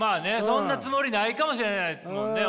そんなつもりないかもしれないですもんね